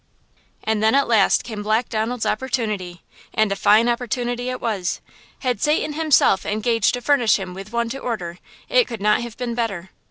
And then at last came Black Donald's opportunity! And a fine opportunity it was! Had Satan himself engaged to furnish him with one to order, it could not have been better!